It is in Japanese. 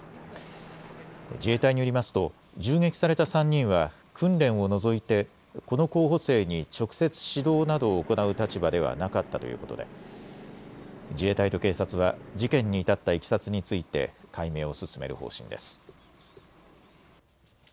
自衛隊によりますと銃撃された３人は訓練を除いてこの候補生に直接指導などを行う立場ではなかったということで自衛隊と警察は事件に至ったいきさつについて解明を進める方針です。